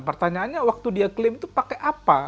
pertanyaannya waktu dia klaim itu pakai apa